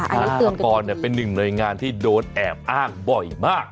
อาหารพกรเป็นหนึ่งในงานที่โดดแอบอ้างบ่อยมาก